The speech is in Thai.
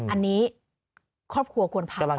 อันนี้ครอบครัวควรพาไปสามารถ